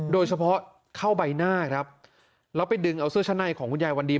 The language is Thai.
โดยเฉพาะเข้าใบหน้าครับแล้วไปดึงเอาเสื้อชั้นในของคุณยายวันดี